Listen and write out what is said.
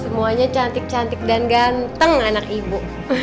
semuanya cantik cantik dan ganteng anak ibu